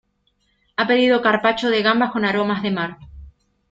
Ha pedido carpaccio de gambas con aromas de mar.